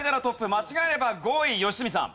間違えれば５位良純さん。